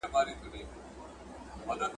په عزت یې مېلمه کړی په ریشتیا یې`